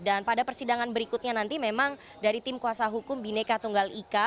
dan pada persidangan berikutnya nanti memang dari tim kuasa hukum bhinneka tunggal ika